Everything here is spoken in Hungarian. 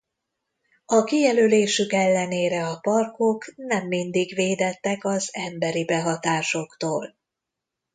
A kijelölésük ellenére a parkok nem mindig védettek az emberi behatásoktól.